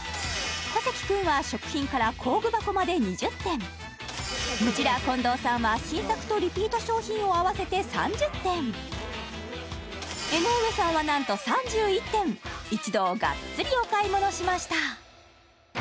小関君は食品から工具箱まで２０点ムジラー近藤さんは新作とリピート商品を合わせて３０点江上さんはなんと３１点一同がっつりお買い物しました